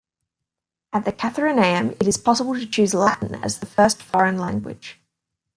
At the Katharineum it is possible to choose Latin as the first foreign language.